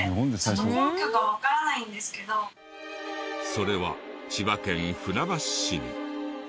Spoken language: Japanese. それは千葉県船橋市に。